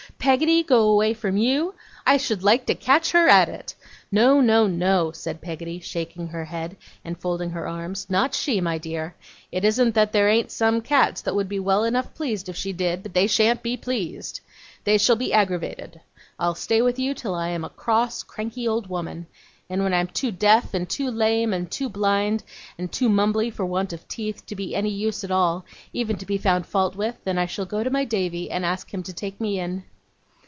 Peggotty go away from you? I should like to catch her at it! No, no, no,' said Peggotty, shaking her head, and folding her arms; 'not she, my dear. It isn't that there ain't some Cats that would be well enough pleased if she did, but they sha'n't be pleased. They shall be aggravated. I'll stay with you till I am a cross cranky old woman. And when I'm too deaf, and too lame, and too blind, and too mumbly for want of teeth, to be of any use at all, even to be found fault with, than I shall go to my Davy, and ask him to take me in.